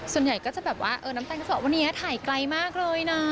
ส่วนใหญ่ก็จะแบบว่าน้ำตาลก็จะบอกว่าวันนี้ถ่ายไกลมากเลยนะ